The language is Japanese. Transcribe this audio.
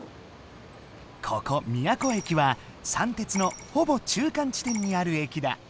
ここ宮古駅はさんてつのほぼ中間地点にある駅だ。